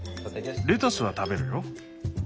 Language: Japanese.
レタスは食べるよ。